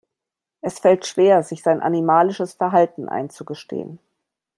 Es fällt schwer, sich sein animalisches Verhalten einzugestehen.